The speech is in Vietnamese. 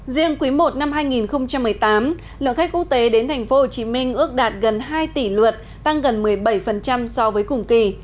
riêng quý i năm hai nghìn một mươi tám lượng khách quốc tế đến tp hcm ước đạt gần hai tỷ luật tăng gần một mươi bảy so với cùng kỳ